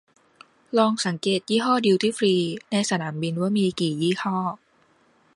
ลองสังเกตยี่ห้อดิวตี้ฟรีในสนามบินว่ามีกี่ยี่ห้อ